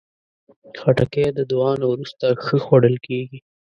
خټکی د دعا نه وروسته ښه خوړل کېږي.